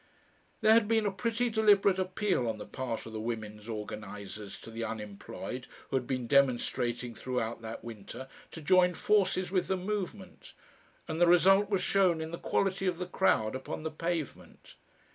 There had been a pretty deliberate appeal on the part of the women's organisers to the Unemployed, who had been demonstrating throughout that winter, to join forces with the movement, and the result was shown in the quality of the crowd upon the pavement.